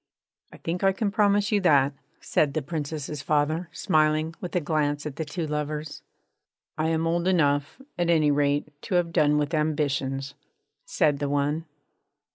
'I think I can promise you that,' said the Princess's father, smiling, with a glance at the two lovers. 'I am old enough, at any rate, to have done with ambitions,' said the one.